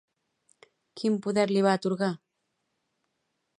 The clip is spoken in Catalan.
Quin poder li va atorgar?